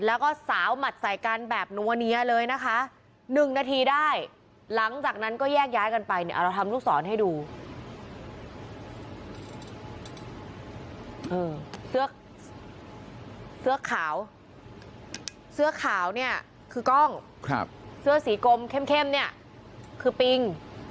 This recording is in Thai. เออเสื้อเสื้อขาวเสื้อขาวเนี่ยคือกล้องครับเสื้อสีกลมเข้มเนี่ยคือปิง